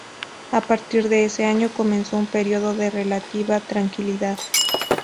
A partir de ese año comenzó un periodo de relativa tranquilidad.